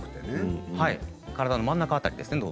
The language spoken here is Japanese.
体の真ん中辺りです。